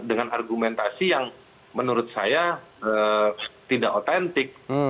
dengan argumentasi yang menurut saya tidak otentik